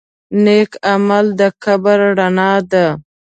نیک عمل د قبر رڼا ده.